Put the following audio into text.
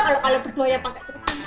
kalau berduanya pake cepet